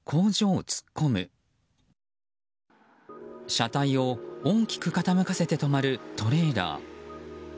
車体を大きく傾かせて止まるトレーラー。